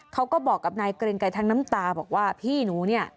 เขาก็บอกกับนายเกรงไกรทั้งน้ำตาบอกว่าพี่หนูเนี่ย